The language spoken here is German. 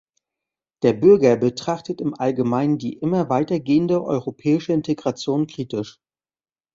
Der Bürger betrachtet im allgemeinen die immer weitergehende europäische Integration kritisch.